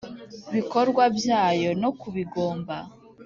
Bikorwa byayo no ku bigomba